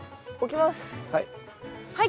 はい。